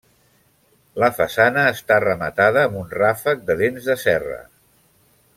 La façana està rematada amb un ràfec de dents de serra.